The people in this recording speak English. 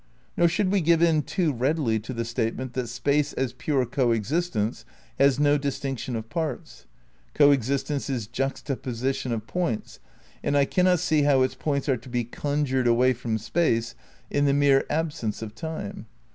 Nor should we give in too readily to the statement that Space as pure coexistence has no distinction of parts. Coexistence is juxtaposition of points, and I cannot see how its points are to be conjured away from Space in the mere absence of Time.